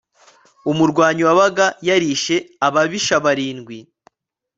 umurwanyi wabaga yarishe ababisha barindwi